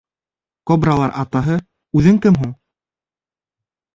Кобралар Атаһы, үҙең кем һуң?